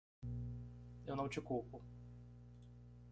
Eu não te culpo.